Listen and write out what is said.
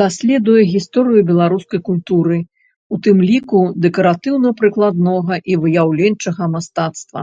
Даследуе гісторыю беларускай культуры, у тым ліку дэкаратыўна-прыкладнога і выяўленчага мастацтва.